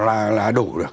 họ là đủ được